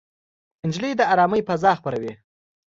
نجلۍ د ارامۍ فضا خپروي.